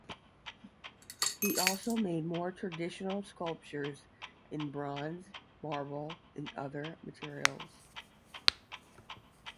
He also made more traditional sculptures in bronze, marble and other materials.